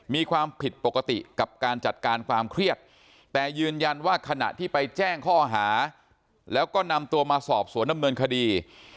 มีความผิดปกติกับการจัดการความเครียดแต่ยืนยันว่าขณะที่ไปแจ้งข้อหาแล้วก็นำตัวมาสอบสวนดำเนินคดี